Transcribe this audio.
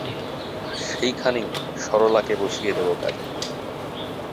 সেইখানেই সরলাকে বসিয়ে দেব কাজে।